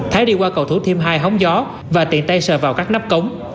thái đi qua cầu thủ thiêm hai hống gió và tiện tay sờ vào các nắp cống